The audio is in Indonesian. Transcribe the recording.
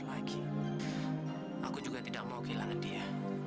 saya akan serahkan anda